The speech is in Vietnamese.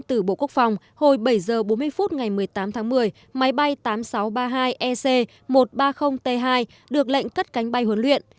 từ bộ quốc phòng hồi bảy h bốn mươi phút ngày một mươi tám tháng một mươi máy bay tám nghìn sáu trăm ba mươi hai ec một trăm ba mươi t hai được lệnh cất cánh bay huấn luyện